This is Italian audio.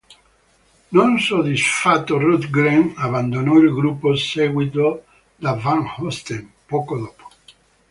Non soddisfatto Rundgren abbandonò il gruppo seguito da Van Osten, poco dopo.